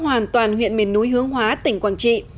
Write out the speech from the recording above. tạo đà tiến tới giải phóng huyện miền núi hướng hóa tỉnh quảng trị